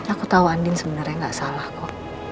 aku tahu andin sebenarnya gak salah kok